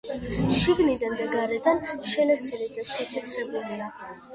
შიგნიდან და გარედან შელესილი და შეთეთრებულია.